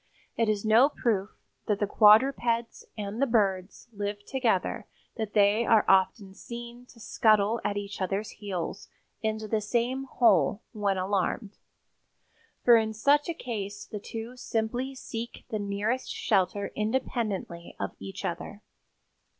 It is no proof that the quadrupeds and the birds live together that they are often seen to scuttle at each other's heels into the same hole when alarmed, for in such a case the two simply seek the nearest shelter independently of each other."